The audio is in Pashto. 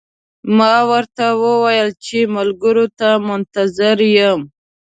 ما ورته وویل چې ملګرو ته منتظر یم.